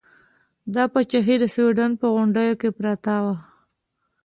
دا پاچاهي د سوډان په غونډیو کې پرته وه.